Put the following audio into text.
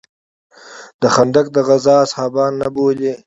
د خندق د غزا اصحابان نه بولې.